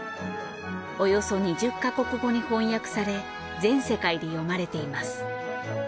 およそ２０か国語に翻訳され全世界で読まれています。